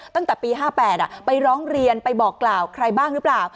ตั้งแต่ปี๕๘ไปร้องเรียนไปบอกกล่าวใครบ้างหรือเปล่า